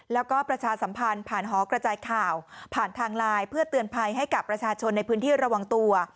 แล้วก็ประชาสัมพันธ์ผ่านหอกระจายข่าวผ่านทางไลน์เพื่อเตือนภัยให้กับประชาชนในพื้นที่ระวังตัว